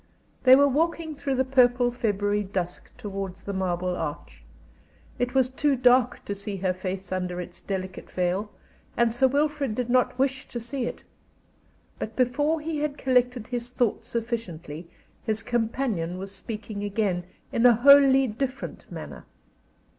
They were walking through the purple February dusk towards the Marble Arch. It was too dark to see her face under its delicate veil, and Sir Wilfrid did not wish to see it. But before he had collected his thoughts sufficiently his companion was speaking again, in a wholly different manner.